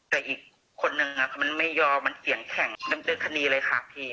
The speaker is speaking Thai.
แต่อีกคนนึงมันไม่ยอมมันเสียงแข็งดำเนินคดีเลยค่ะพี่